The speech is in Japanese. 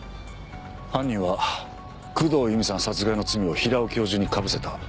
犯人は工藤由美さん殺害の罪を平尾教授にかぶせた。